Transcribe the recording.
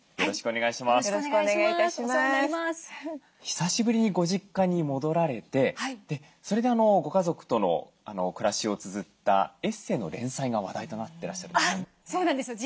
久しぶりにご実家に戻られてそれでご家族との暮らしをつづったエッセーの連載が話題となってらっしゃるんですよね。